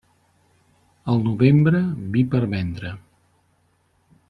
El novembre, vi per vendre.